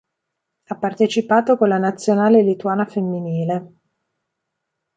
Ha partecipato con la nazionale lituana femminile.